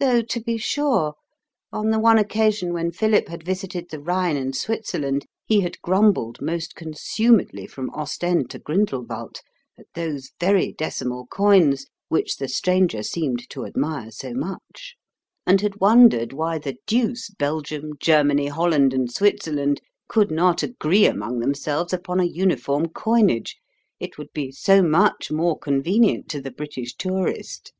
Though, to be sure, on the one occasion when Philip had visited the Rhine and Switzerland, he had grumbled most consumedly from Ostend to Grindelwald, at those very decimal coins which the stranger seemed to admire so much, and had wondered why the deuce Belgium, Germany, Holland, and Switzerland could not agree among themselves upon a uniform coinage; it would be so much more convenient to the British tourist.